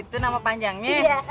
itu nama panjangnya